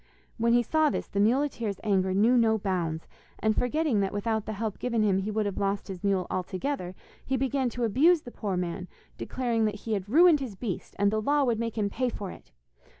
When he saw this the muleteer's anger knew no bounds, and forgetting that without the help given him he would have lost his mule altogether, he began to abuse the poor man, declaring that he had ruined his beast, and the law would make him pay for it.